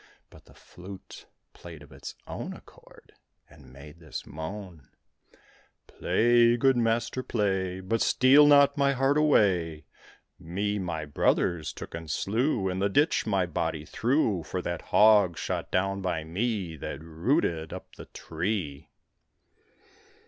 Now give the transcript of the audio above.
But the flute played of its own accord, and made this moan :" Play, good master, play, But steal not my heart away I Me my brothers took and slew, In the ditch my body threw, For that hog shot down by me, That rooted up the tree."